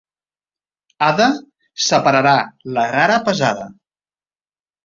Ada separarà la rara pesada.